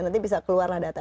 nanti bisa keluarlah data